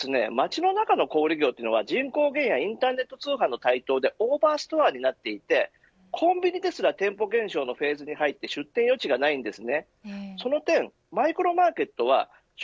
また街の中の小売り業は人口減やインターネット通販の台頭でオーバーストアになっていてコンビニですら店舗減少のフェーズに入って出店余地がないんです。